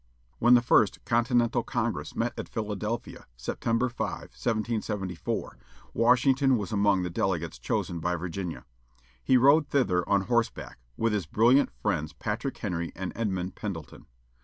When the First Continental Congress met at Philadelphia, September 5, 1774, Washington was among the delegates chosen by Virginia. He rode thither on horseback, with his brilliant friends Patrick Henry and Edmund Pendleton.